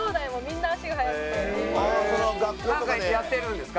なんかやってるんですか？